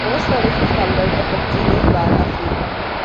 Most services carried out at the Genius Bar are free.